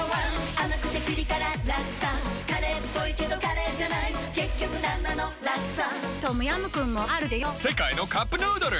甘くてピリ辛ラクサカレーっぽいけどカレーじゃない結局なんなのラクサトムヤムクンもあるでヨ世界のカップヌードル